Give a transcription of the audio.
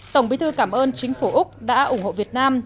tổng bí thư cảm ơn chính phủ úc đã ủng hộ việt nam